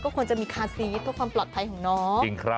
ควรจะมีคาซีสเพื่อความปลอดภัยของน้อง